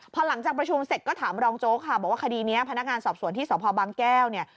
พอหลังจากประชุมเสร็จก็ถามรองโจ๊กค่ะบอกว่าคดีนี้พนักงานสอบสวนที่สพบางแก้วเนี่ย